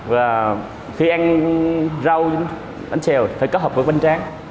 và khi ăn rau bánh xèo thì phải kết hợp với bánh tráng